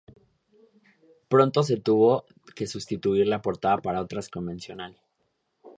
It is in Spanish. Pronto se tuvo que sustituir la portada por otra más convencional.